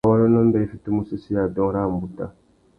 Ngawôrénô mbê i fitimú usésséya dôōng râ umbuta.